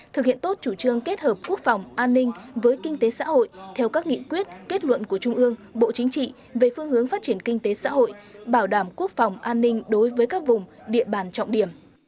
thực hiện tốt chủ trương kết hợp quốc phòng an ninh với kinh tế xã hội theo các nghị quyết kết luận của trung ương bộ chính trị về phương hướng phát triển kinh tế xã hội bảo đảm quốc phòng an ninh đối với các vùng địa bàn trọng điểm